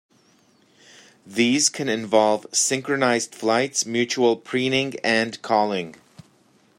These can involve synchronised flights, mutual preening and calling.